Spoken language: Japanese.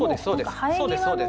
そうですそうです。